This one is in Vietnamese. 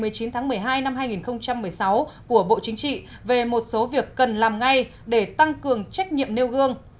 quy định số năm mươi sáu ngày một mươi chín tháng một mươi hai năm hai nghìn một mươi sáu của bộ chính trị về một số việc cần làm ngay để tăng cường trách nhiệm nêu gương